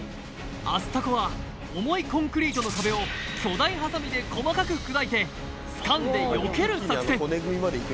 アスタコは重いコンクリートの壁を巨大ハサミで細かく砕いてつかんでよける作戦